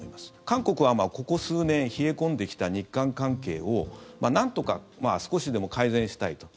韓国は、ここ数年冷え込んできた日韓関係をなんとか少しでも改善したいと。